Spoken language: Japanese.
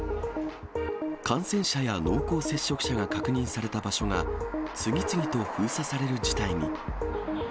感染者や濃厚接触者が確認された場所が、次々と封鎖される事態に。